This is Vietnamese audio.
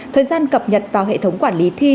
thời gian cập nhật vào hệ thống quản lý thi